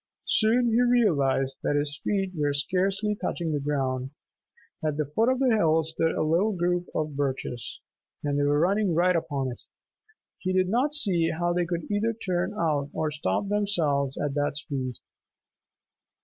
Soon he realized that his feet were scarcely touching the ground. At the foot of the hill stood a little group of birches, and they were running right upon it. He did not see how they could either turn out or stop themselves at that speed.